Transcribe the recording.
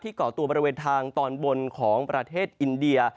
เกาะตัวบริเวณทางตอนบนของประเทศอินเดีย